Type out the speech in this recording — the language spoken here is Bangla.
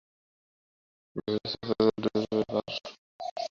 ভেবেছিনু অশ্রুজলে, ডুবিব অকূল তলে, কাহার সোনার তরী করিল তারণ?